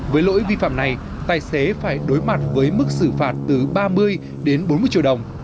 với lỗi vi phạm này tài xế phải đối mặt với mức xử phạt từ ba mươi đến bốn mươi triệu đồng